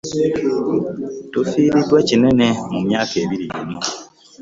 Tufiiriddwa kinene mu myaka ebiri gino.